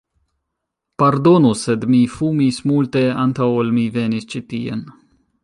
Pardonu, sed mi fumis multe antaŭ ol mi venis ĉi tien...